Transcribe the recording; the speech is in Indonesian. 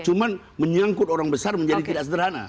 cuma menyangkut orang besar menjadi tidak sederhana